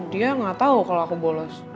dia gak tau kalau aku bolos